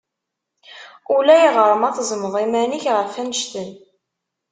Ulayɣer ma tezzmeḍ iman-ik ɣef annect-en.